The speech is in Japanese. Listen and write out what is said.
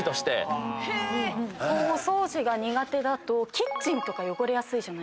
お掃除が苦手だとキッチンとか汚れやすいじゃないですか。